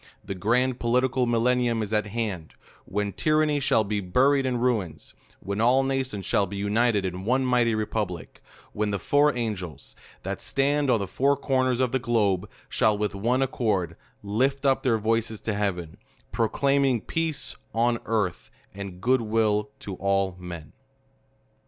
The grand POLITICAL MILLENNIUM is at hand ; when THE COLUMBIAN ORATOR. 257 when tyranny shall be buried in ruins ; when all na tions sliall be united in ONE MIGHTY REPUBLIC ! when the four angels, that stand on the four corners of the globe, shall, with one accord, lift up their voices to heaven ; proclaiming PEACE ON EARTPI, AND GOOD WILL TO ALL MEN.